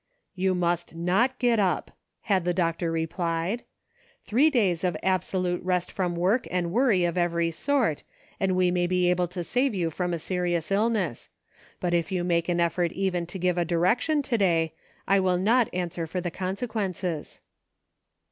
" You must not get up," had the doctor replied. " Three days of absolute rest from work and worry of every sort, and we may be able to save you from a serious illness; but if you make an effort even to give a direction to day, I will not answer for the consequences."